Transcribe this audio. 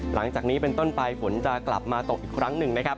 หลังจากนี้เป็นต้นไปฝนจะกลับมาตกอีกครั้งหนึ่งนะครับ